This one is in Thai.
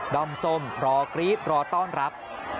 อมส้มรอกรี๊ดรอต้อนรับ